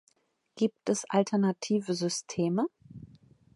Gibt es alternative Systeme?